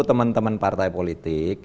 teman teman partai politik